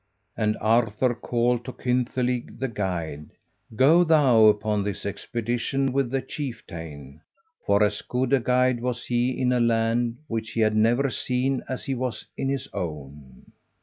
And Arthur called to Kynthelig the guide. "Go thou upon this expedition with the Chieftain." For as good a guide was he in a land which he had never seen as he was in his own.